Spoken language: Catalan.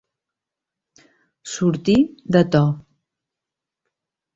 Sortir de to.